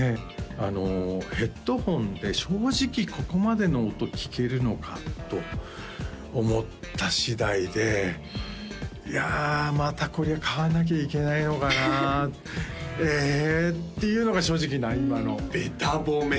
あのヘッドホンで正直ここまでの音聴けるのかと思ったしだいでいやまたこれ買わなきゃいけないのかなえっていうのが正直な今のべた褒め！